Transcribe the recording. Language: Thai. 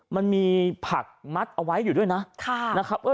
มันมีผักมัดเอาไว้อยู่ด้วยนะ